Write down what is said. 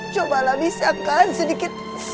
cobalah bisa kan sedikit